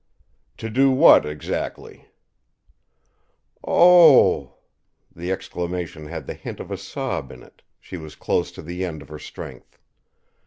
"To do what, exactly?" "Oh h h!" The exclamation had the hint of a sob in it; she was close to the end of her strength.